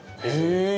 へえ。